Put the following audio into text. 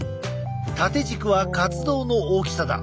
縦軸は活動の大きさだ。